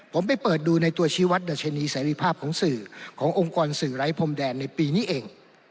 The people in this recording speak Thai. ผมไปเปิดดูในตัวชีวัตดัชนีเสรีภาพของสื่อขององค์กรสื่อไร้พรมแดนในปีนี้เอง